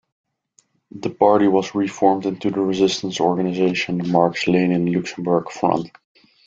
The party was reformed into the resistance organization Marx-Lenin-Luxemburg Front.